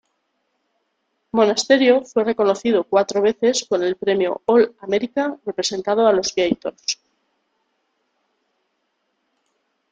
Monasterio fue reconocido cuatro veces con el premio All-America representado a los Gators.